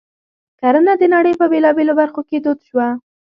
کرنه د نړۍ په بېلابېلو برخو کې دود شوه.